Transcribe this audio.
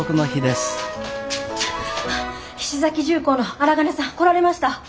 菱崎重工の荒金さん来られました。